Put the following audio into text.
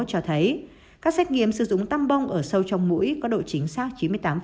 cho thấy các xét nghiệm sử dụng tam bông ở sâu trong mũi có độ chính xác chín mươi tám